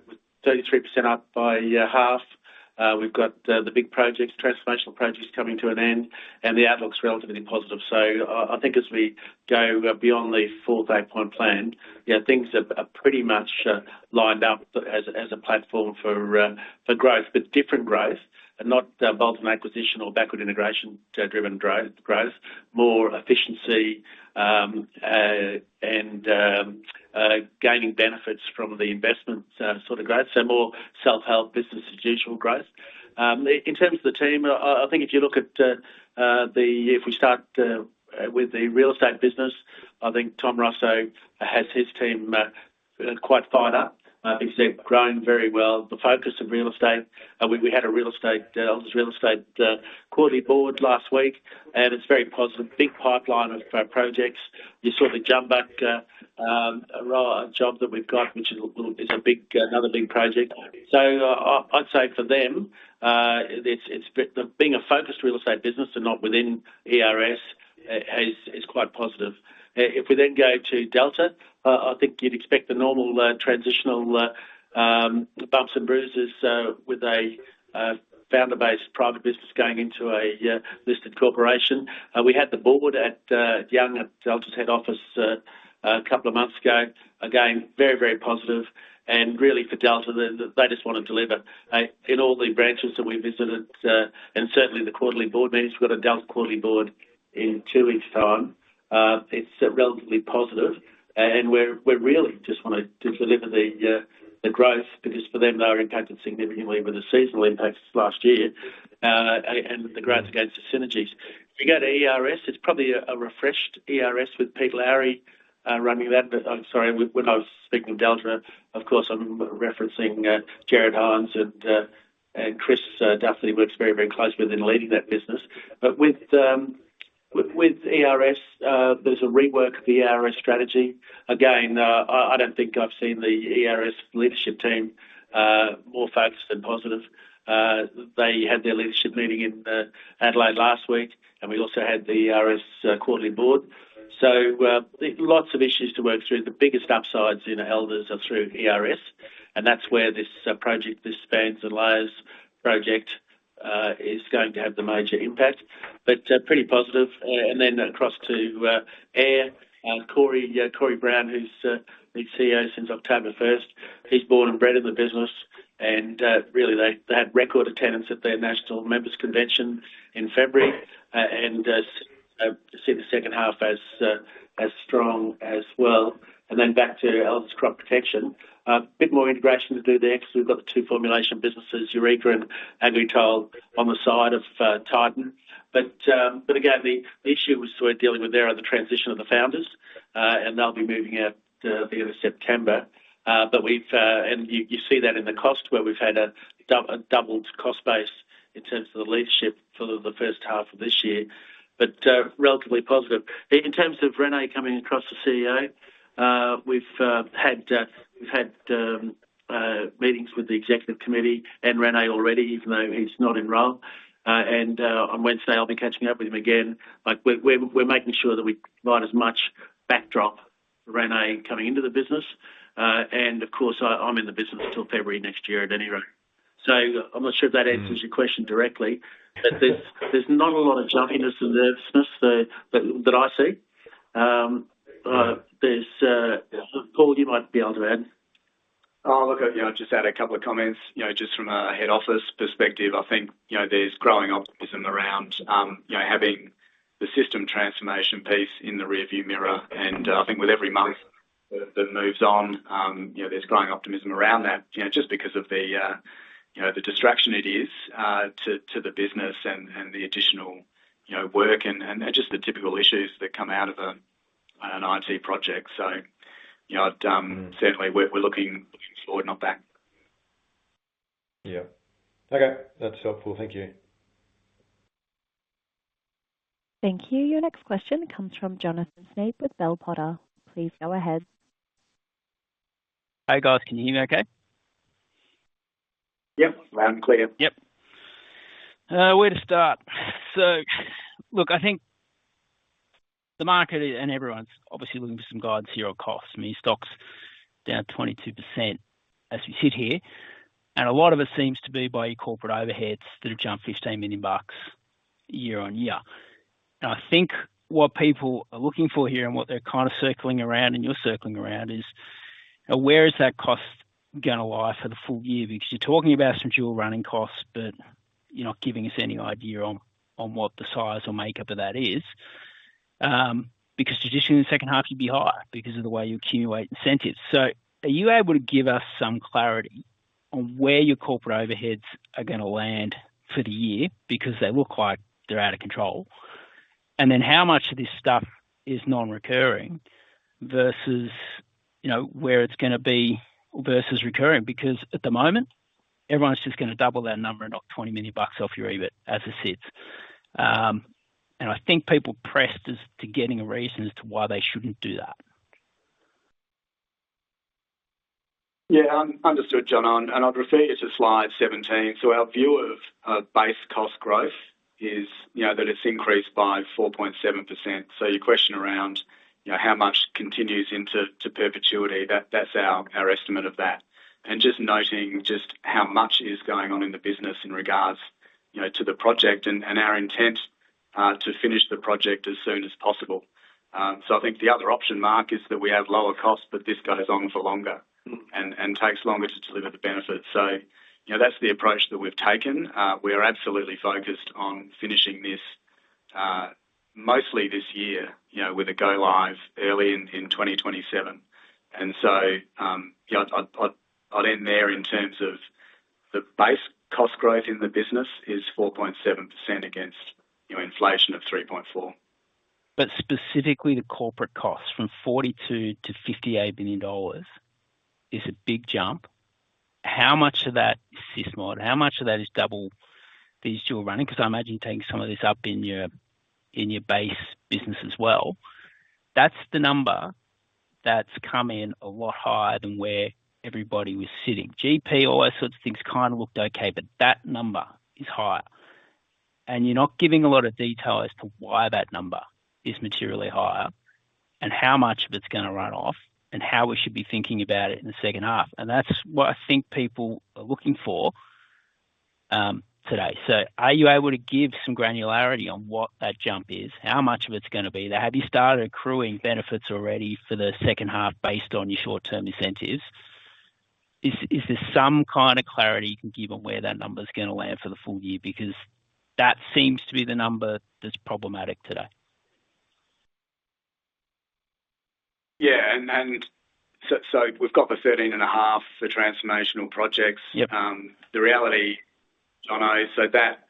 33% up by half, we've got the big projects, transformational projects coming to an end and the outlook's relatively positive. I think as we go beyond the fourth Eight Point Plan, yeah, things are pretty much lined up as a platform for for growth, but different growth and not bolt on acquisition or backward integration driven growth. More efficiency and gaining benefits from the investment sort of growth. More self-help business as usual growth. In terms of the team, I think if you look at, if we start with the real estate business, I think Tom Russo has his team quite fired up. As you said, growing very well. The focus of real estate, we had a real estate, Elders Real Estate quarterly board last week, and it's very positive. Big pipeline of projects. You saw the Jumbuck job that we've got, which is a big, another big project. I'd say for them, it's being a focused real estate business and not within ERS is quite positive. If we then go to Delta, I think you'd expect the normal transitional bumps and bruises with a founder-based private business going into a listed corporation. We had the board at Young at Delta's head office a couple of months ago. Again, very, very positive and really for Delta, they just wanna deliver. In all the branches that we visited, and certainly the quarterly board meetings, we've got a Delta quarterly board in two weeks' time. It's relatively positive and we're really just wanna deliver the growth because for them they were impacted significantly with the seasonal impacts last year, and the grants against the synergies. If you go to ERS, it's probably a refreshed ERS with Peter Lourey running that. I'm sorry, when I was speaking with Delta, of course, I'm referencing Gerard Hines and Chris Deane works very, very closely with him leading that business. With ERS, there's a rework of the ERS strategy. Again, I don't think I've seen the ERS leadership team more focused and positive. They had their leadership meeting in Adelaide last week, and we also had the ERS quarterly board. Lots of issues to work through. The biggest upsides in Elders are through ERS, and that's where this project, the spans and layers project, is going to have the major impact. Pretty positive. Across to AIRR, Corey Brown, who's been CEO since October first, he's born and bred in the business and really they had record attendance at their National Members Convention in February and see the second half as strong as well. Back to Elders Crop Protection, a bit more integration to do there because we've got the two formulation businesses, Eureka and AgriToll, on the side of Titan. Again, the issue we're dealing with there are the transition of the founders, and they'll be moving out the end of September. We've and you see that in the cost where we've had a doubled cost base in terms of the leadership for the first half of this year. Relatively positive. In terms of Rene coming across the CEO, we've had. Meetings with the executive committee and Rene already, even though he's not in role. On Wednesday, I'll be catching up with him again. We're making sure that we provide as much backdrop Rene coming into the business. Of course, I'm in the business until February next year at any rate. I'm not sure if that answers your question directly, but there's not a lot of jumpiness or nervousness that I see. There's Paul, you might be able to add. Oh, look, yeah, I'll just add a couple of comments. You know, just from a head office perspective, I think, you know, there's growing optimism around, you know, having the system transformation piece in the rearview mirror. I think with every month that moves on, you know, there's growing optimism around that, you know, just because of the, you know, the distraction it is to the business and the additional, you know, work and just the typical issues that come out of an IT project. You know, I'd certainly we're looking forward not back. Yeah. Okay. That's helpful. Thank you. Thank you. Your next question comes from Jonathan Snape with Bell Potter. Please go ahead. Hey, guys. Can you hear me okay? Yep. Loud and clear. Yep. Where to start? Look, I think the market and everyone's obviously looking for some guidance here on costs. I mean, stock's down 22% as we sit here, and a lot of it seems to be by your corporate overheads that have jumped 15 million bucks year-on-year. I think what people are looking for here and what they're kind of circling around and you're circling around is where is that cost gonna lie for the full year? You're talking about some fuel running costs, but you're not giving us any idea on what the size or makeup of that is. Traditionally in the second half you'd be higher because of the way you accumulate incentives. Are you able to give us some clarity on where your corporate overheads are gonna land for the year? They look like they're out of control. How much of this stuff is non-recurring versus, you know, where it's gonna be versus recurring? At the moment, everyone's just gonna double that number and knock 20 million bucks off your EBIT as it sits. I think people pressed as to getting a reason as to why they shouldn't do that. Understood, Jon. I'd refer you to slide 17. Our view of base cost growth is, you know, that it's increased by 4.7%. Your question around, you know, how much continues into perpetuity, that's our estimate of that. Just noting how much is going on in the business in regards, you know, to the project and our intent to finish the project as soon as possible. I think the other option, Mark, is that we have lower costs, but this goes on for longer and takes longer to deliver the benefits. You know, that's the approach that we've taken. We are absolutely focused on finishing this mostly this year, you know, with a go live early in 2027. You know, I'd end there in terms of the base cost growth in the business is 4.7% against, you know, inflation of 3.4%. Specifically, the corporate costs from 42 billion to 58 billion dollars is a big jump. How much of that is SysMod? How much of that is double the usual running? 'Cause I imagine taking some of this up in your base business as well. That's the number that's come in a lot higher than where everybody was sitting. GP, all those sorts of things kind of looked okay, but that number is higher. You're not giving a lot of detail as to why that number is materially higher and how much of it's gonna run off and how we should be thinking about it in the second half. That's what I think people are looking for today. Are you able to give some granularity on what that jump is? How much of it's gonna be there? Have you started accruing benefits already for the second half based on your short-term incentives? Is there some kind of clarity you can give on where that number's gonna land for the full year? Because that seems to be the number that's problematic today. Yeah. We've got the 13.5 million for transformational projects. Yep. The reality, Jon, is so that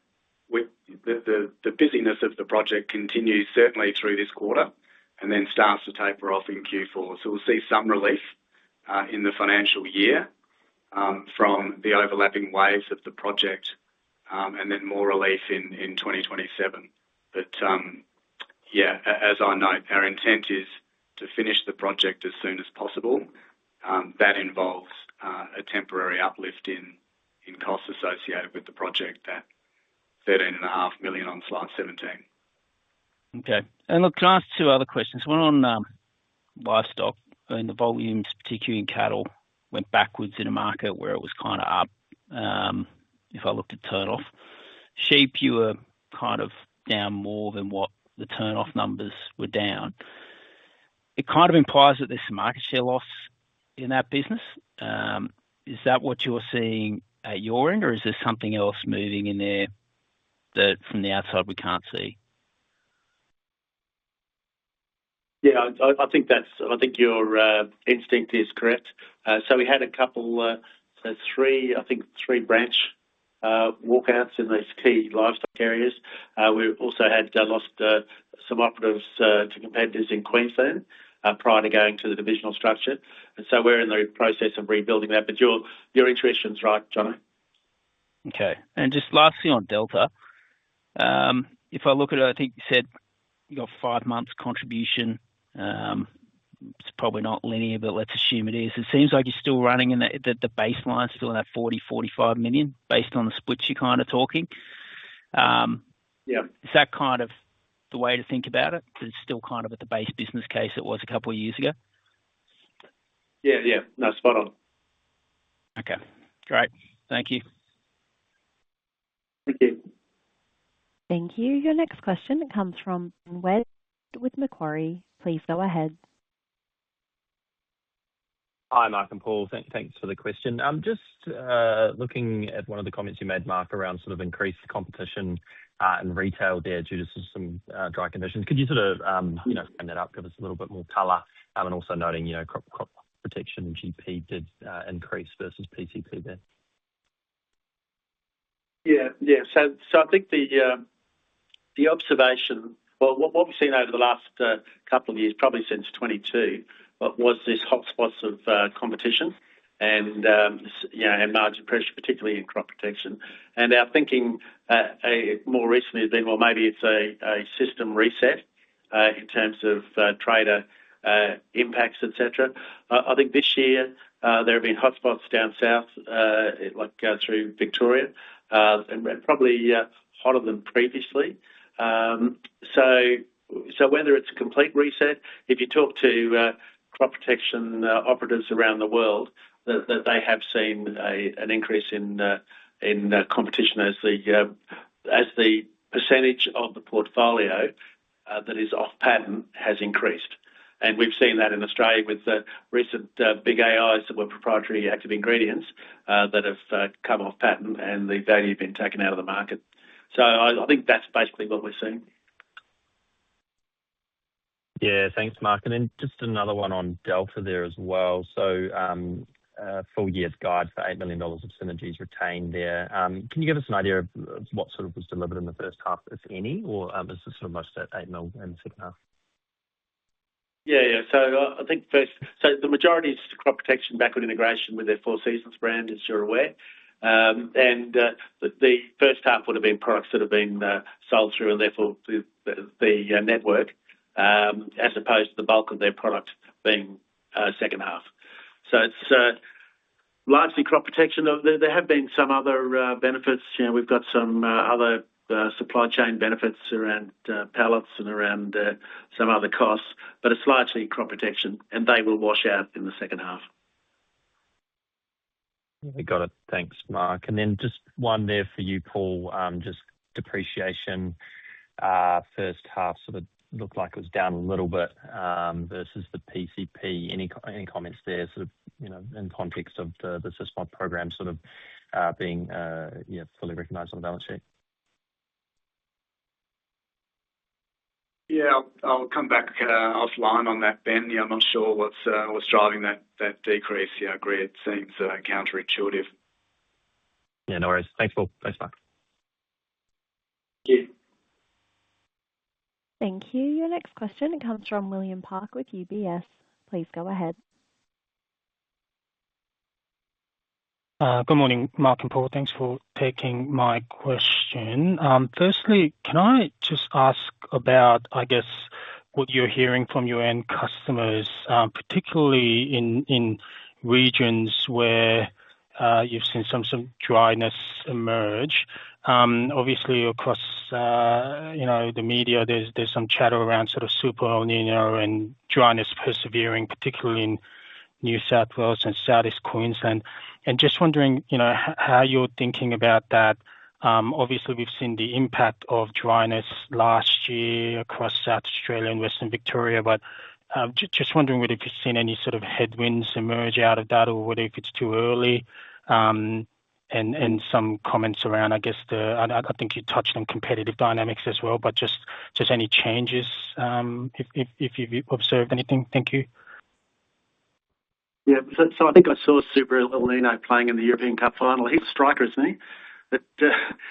with the busyness of the project continues certainly through this quarter and then starts to taper off in Q4. We'll see some relief in the financial year from the overlapping waves of the project and then more relief in 2027. Yeah, as I note, our intent is to finish the project as soon as possible. That involves a temporary uplift in costs associated with the project, that 13.5 million on slide 17. Okay. Look, can I ask two other questions? One on livestock. I mean, the volumes, particularly in cattle, went backwards in a market where it was kind of up, if I looked at turnoff. Sheep, you were kind of down more than what the turnoff numbers were down. It kind of implies that there's some market share loss in that business. Is that what you're seeing at your end, or is there something else moving in there that from the outside we can't see? Yeah. I think your instinct is correct. We had a couple, so three branch walkouts in those key livestock areas. We also had lost some operatives to competitors in Queensland prior to going to the divisional structure. We're in the process of rebuilding that. Your, your intuition's right, Jon. Okay. Just lastly on Delta, if I look at it, I think you said you got five months contribution. It's probably not linear, but let's assume it is. It seems like you're still running and that the baseline's still in that 40 million-45 million based on the splits you're kind of talking. Yeah. Is that kind of the way to think about it? 'Cause it's still kind of at the base business case it was a couple years ago. Yeah, yeah. No, spot on. Okay. Great. Thank you. Thank you. Thank you. Your next question comes from Ben Wedd with Macquarie. Please go ahead. Hi, Mark and Paul. Thanks for the question. Just looking at one of the comments you made, Mark, around sort of increased competition in retail there due to some dry conditions. Could you sort of, you know, open that up, give us a little bit more color, and also noting, you know, crop protection and GP did increase versus PCP there. Yeah. Yeah. I think the observation what we've seen over the last couple of years, probably since 2022, was these hotspots of competition and you know, and margin pressure, particularly in crop protection. Our thinking more recently has been, well, maybe it's a system reset in terms of trader impacts, et cetera. I think this year there have been hotspots down south, like through Victoria, and probably hotter than previously. So whether it's a complete reset, if you talk to crop protection operatives around the world that they have seen an increase in competition as the percentage of the portfolio that is off-patent has increased. We've seen that in Australia with the recent big AIs that were proprietary Active Ingredients that have come off patent and the value being taken out of the market. I think that's basically what we're seeing. Yeah. Thanks, Mark. Just another one on Delta there as well. Full year's guide for 8 million dollars of synergies retained there. Can you give us an idea of what sort of was delivered in the first half, if any, or is this sort of mostly at 8 million in the second half? Yeah, yeah. I think first the majority is just crop protection backward integration with their Four Seasons Agribusiness, as you're aware. The first half would have been products that have been sold through and therefore through the network, as opposed to the bulk of their product being second half. It's largely crop protection. There have been some other benefits. You know, we've got some other supply chain benefits around pallets and around some other costs, but it's largely crop protection, and they will wash out in the second half. Yeah. We got it. Thanks, Mark. Just one there for you, Paul, just depreciation. First half sort of looked like it was down a little bit, versus the PCP. Any comments there sort of, you know, in context of the SysMod program sort of, being, you know, fully recognized on the balance sheet? Yeah. I'll come back offline on that, Ben. Yeah, I'm not sure what's driving that decrease. Yeah, I agree it seems counterintuitive. Yeah, no worries. Thanks, Paul. Thanks, Mark. Thank you. Thank you. Your next question comes from William Park with UBS. Please go ahead. Good morning, Mark and Paul. Thanks for taking my question. Firstly, can I just ask about, I guess, what you're hearing from your end customers, particularly in regions where you've seen some dryness emerge. Obviously across, you know, the media there's some chatter around sort of Super El Niño and dryness persevering, particularly in New South Wales and Southeast Queensland. Just wondering, you know, how you're thinking about that. Obviously we've seen the impact of dryness last year across South Australia and Western Victoria, but just wondering whether you've seen any sort of headwinds emerge out of that or whether if it's too early. Some comments around, I guess, I think you touched on competitive dynamics as well, but just any changes if you've observed anything. Thank you. Yeah. I think I saw Super El Niño playing in the European Cup final. He's a striker, isn't he?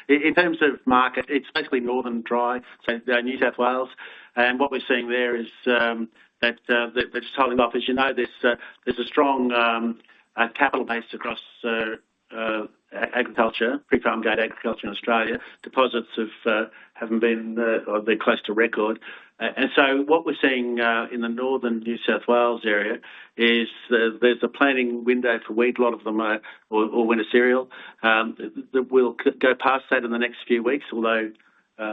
In terms of market, it's basically northern dry, so New South Wales, and what we're seeing there is that just holding off. As you know, there's a strong capital base across agriculture, pre-farm gate agriculture in Australia. Deposits haven't been or been close to record. What we're seeing in the northern New South Wales area is there's a planning window for wheat. A lot of them are or winter cereal that will go past that in the next few weeks, although,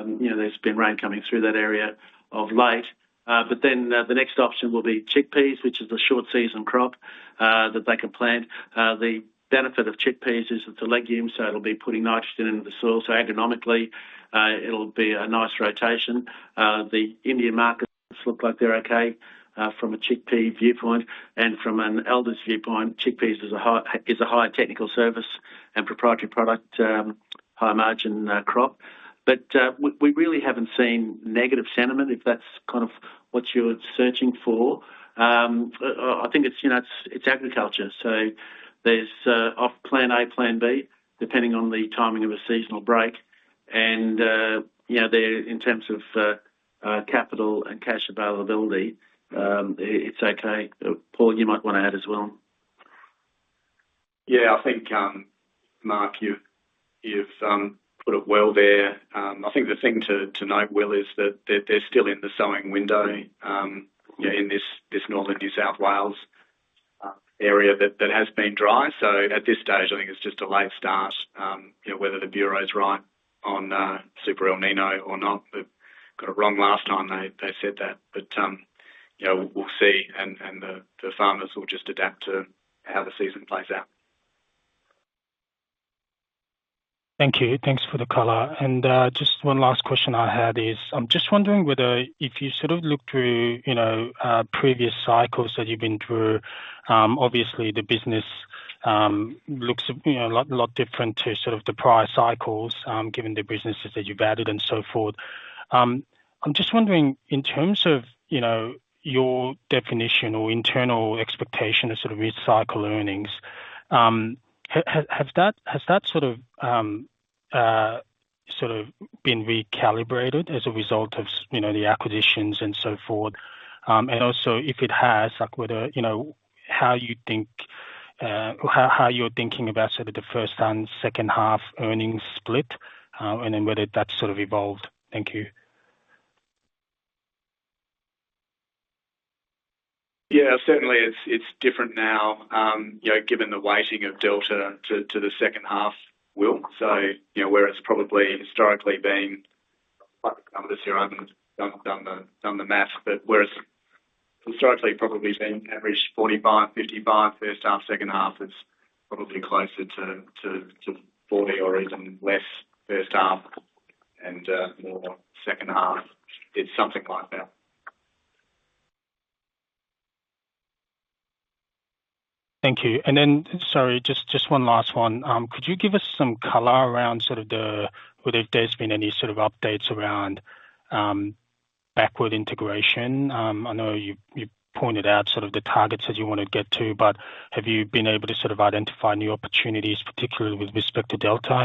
you know, there's been rain coming through that area of late. The next option will be chickpeas, which is a short season crop that they can plant. The benefit of chickpeas is it's a legume, it'll be putting nitrogen into the soil. Agronomically, it'll be a nice rotation. The Indian markets look like they're okay from a chickpea viewpoint. From an Elders viewpoint, chickpeas is a high technical service and proprietary product, high margin crop. We really haven't seen negative sentiment, if that's kind of what you're searching for. I think it's, you know, it's agriculture. There's of plan A, plan B, depending on the timing of a seasonal break. You know, in terms of capital and cash availability, it's okay. Paul, you might want to add as well. Yeah, I think, Mark, you've put it well there. I think the thing to note, Will, is that they're still in the sowing window in this northern New South Wales area that has been dry. At this stage, I think it's just a late start, you know, whether the bureau is right on Super El Niño or not. They got it wrong last time they said that. You know, we'll see and the farmers will just adapt to how the season plays out. Thank you. Thanks for the color. Just one last question I had is, I'm just wondering whether if you sort of look through, you know, previous cycles that you've been through, obviously the business looks, you know, a lot different to sort of the prior cycles, given the businesses that you've added and so forth. I'm just wondering, in terms of, you know, your definition or internal expectation of sort of mid-cycle earnings, has that sort of been recalibrated as a result of you know, the acquisitions and so forth? Also, if it has, like whether, you know, how you think, or how you're thinking about sort of the first half, second half earnings split, and then whether that's sort of evolved. Thank you. Yeah, certainly it's different now, you know, given the weighting of Delta to the second half, Will. You know, where it's probably historically been, like some of the [inaudible] done the math, but whereas historically probably been averaged 45, 55 first half, second half, it's probably closer to 40 or even less first half and more second half. It's something like that. Thank you. Sorry, just one last one. Could you give us some color around whether there has been any updates around backward integration? I know you pointed out the targets that you want to get to, but have you been able to identify new opportunities, particularly with respect to Delta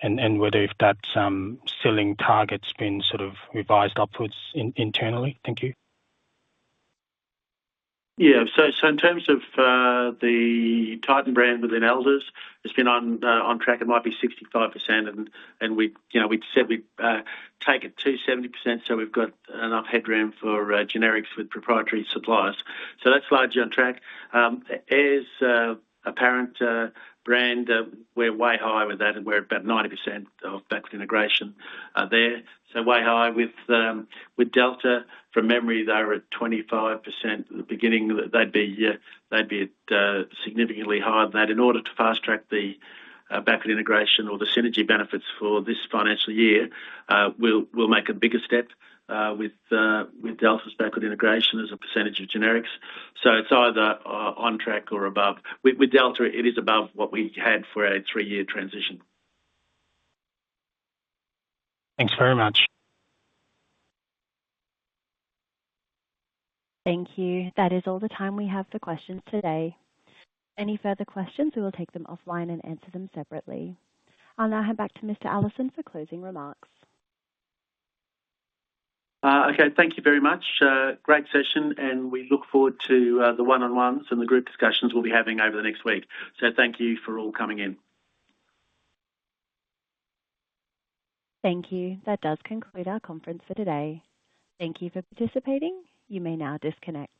and whether if that selling target has been revised upwards internally? Thank you. Yeah. In terms of the Titan brand within Elders, it's been on track. It might be 65% and we've, you know, we've said we'd take it to 70%, so we've got enough headroom for generics with proprietary suppliers. That's largely on track. AIRR's Apparent brand, we're way high with that and we're about 90% of backward integration there. Way high. With Delta, from memory, they were at 25%. At the beginning they'd be significantly higher than that. In order to fast-track the backward integration or the synergy benefits for this financial year, we'll make a bigger step with Delta's backward integration as a percentage of generics. It's either on track or above. With Delta it is above what we had for a three-year transition. Thanks very much. Thank you. That is all the time we have for questions today. Any further questions, we will take them offline and answer them separately. I'll now hand back to Mr. Allison for closing remarks. Okay. Thank you very much. Great session, and we look forward to the one-on-ones and the group discussions we'll be having over the next week. Thank you for all coming in. Thank you. That does conclude our conference for today. Thank you for participating. You may now disconnect.